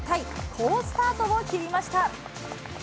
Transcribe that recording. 好スタートを切りました。